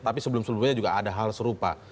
tapi sebelum sebelumnya juga ada hal serupa